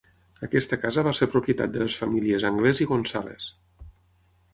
Aquesta casa va ser propietat de les famílies Anglès i González.